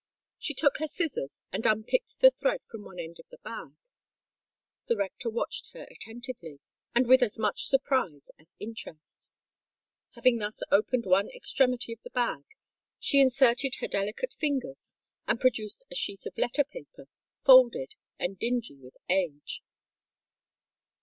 She took her scissors and unpicked the thread from one end of the bag. The rector watched her attentively, and with as much surprise as interest. Having thus opened one extremity of the bag, she inserted her delicate fingers, and produced a sheet of letter paper, folded, and dingy with age.